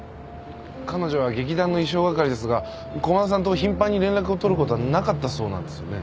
彼女は劇団の衣装係ですが駒田さんと頻繁に連絡を取ることはなかったそうなんですよね。